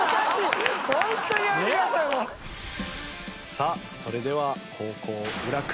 さあそれでは後攻浦君